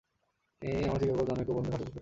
ইনি আমার চিকাগোর জনৈক বন্ধুর ভ্রাতুষ্পুত্রী।